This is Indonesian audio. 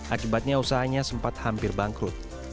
akibatnya usahanya sempat hampir bangkrut